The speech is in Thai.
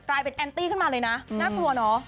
กลายเป็นแอนตี้ขึ้นมาเลยนะน่ากลัวเนอะ